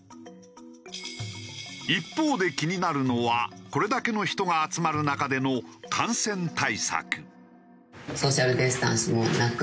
一方で気になるのはこれだけの人が集まる中での感染対策。